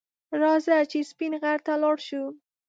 راځه چې سپین غر ته لاړ شو